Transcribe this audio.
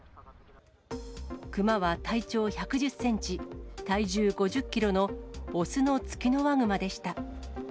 熊は体長１１０センチ、体重５０キロの雄のツキノワグマでした。